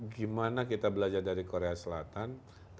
gimana kita belajar dari korea selatan